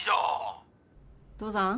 父さん？